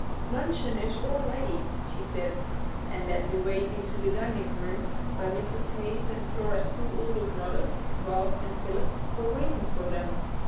"Luncheon is all ready," she said, and led the way into the dining room, where Mrs. Hayes and Flora's two older brothers, Ralph and Philip, were waiting for them.